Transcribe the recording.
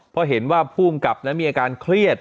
เพราะเห็นว่าผู้กำกับนั้นมีอาการเครียด